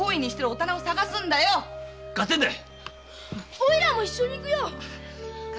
オイラも一緒に行くよ。